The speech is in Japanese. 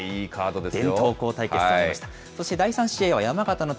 伝統校対決となりました。